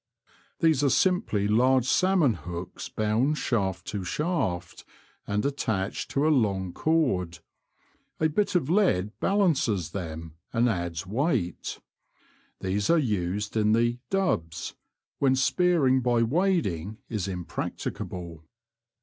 These are simply large salmon hooks bound shaft to shaft and attached to a long cord ; a bit of lead balances them and adds weight. These are used in the ^^dubs" when spearing by wading is impracticable.